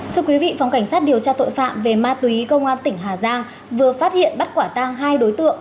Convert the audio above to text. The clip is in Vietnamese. thưa quý vị phòng cảnh sát điều tra tội phạm về ma túy công an tỉnh hà giang vừa phát hiện bắt quả tang hai đối tượng